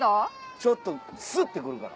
ちょっとスッて来るから。